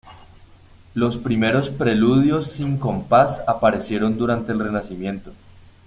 Los primeros preludios sin compás aparecieron durante el Renacimiento.